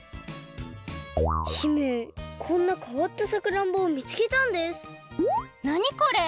姫こんなかわったさくらんぼをみつけたんですなにこれ？